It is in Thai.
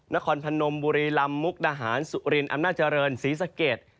นครพนมบุรีลำมุกดาหารสุรินอำนาจเจริญศรีสะเกด